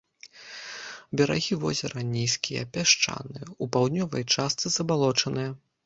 Берагі возера нізкія, пясчаныя, у паўднёвай частцы забалочаныя.